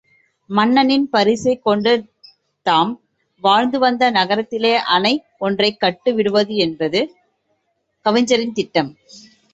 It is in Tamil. மன்னனின் பரிசைக் கொண்டு, தாம் வாழ்ந்துவந்த நகரத்திலே அணை ஒன்றைக் கட்டி விடுவது என்பது கவிஞரின் திட்டம்.